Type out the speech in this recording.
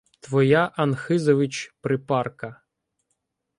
Твоя, Анхизович, припарка